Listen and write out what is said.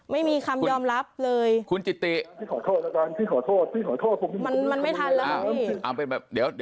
ไม่มีคำยอมรับเลย